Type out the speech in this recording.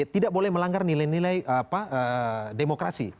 tidak boleh melanggar nilai nilai demokrasi